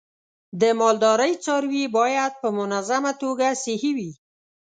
د مالدارۍ څاروی باید په منظمه توګه صحي وي.